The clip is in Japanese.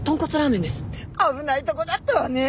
・危ないとこだったわね！